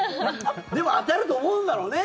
でも当たると思うんだろうね。